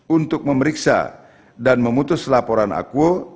untuk memeriksa dan memutus laporan akuo